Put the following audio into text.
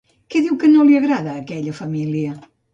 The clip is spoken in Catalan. Què diu que no li agrada a aquella família?